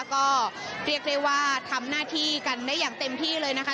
ก็เรียกได้ว่าทำหน้าที่กันได้อย่างเต็มที่เลยนะคะ